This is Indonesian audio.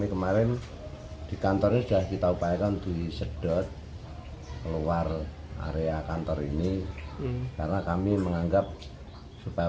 kemarin di kantornya kita sudah sedot di luar area kantor ini karena kami menganggap supaya